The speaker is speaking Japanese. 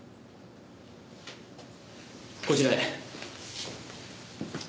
こちらへ。